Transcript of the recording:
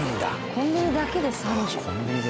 コンビニだけで３０。